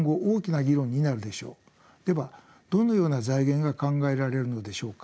ではどのような財源が考えられるのでしょうか。